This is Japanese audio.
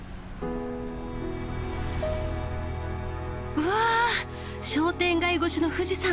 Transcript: うわ商店街越しの富士山。